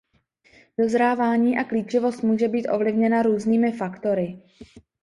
Dozrávání a klíčivost může být ovlivněna různými faktory.